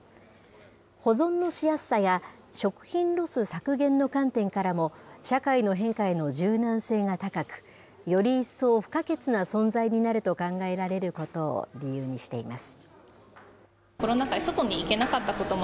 保存のしやすさや、食品ロス削減の観点からも、社会の変化への柔軟性が高く、より一層、不可欠な存在になると考えられることを理由にしています。